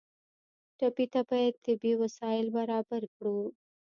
ټپي ته باید طبي وسایل برابر کړو.